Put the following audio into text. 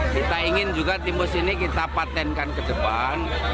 kita ingin juga timus ini kita patentkan ke depan